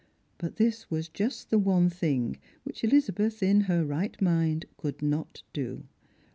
But this was just the one thing which Elizabeth, in her right mind, could not do.